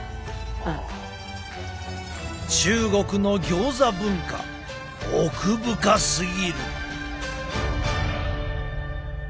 中国のギョーザ文化奥深すぎる。